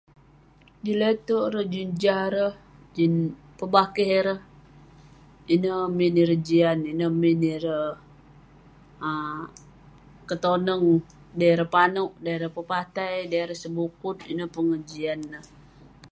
Jin lete'erk ireh, jin jah ireh, jin pebakeh ireh. Ineh min ireh jian, ineh min ireh um ketoneng, dei ireh panouk, dei ireh pepatai, dei ireh sebukut. Ineh pengejian neh.